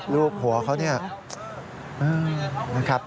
ลูกหัวเขา